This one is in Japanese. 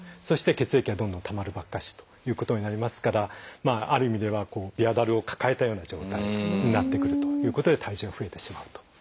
そして血液がどんどん溜まるばっかしということになりますからある意味ではビアだるを抱えたような状態になってくるということで体重が増えてしまうと。